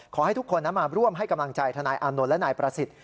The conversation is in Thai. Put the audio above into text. ขอให้ทุกคนนั้นมาร่วมให้กำลังใจทนายอานนท์และนายประสิทธิ์